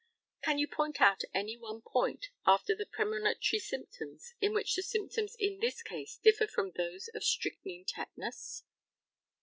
Can you point out any one point, after the premonitory symptoms, in which the symptoms in this case differ from those of strychnine tetanus?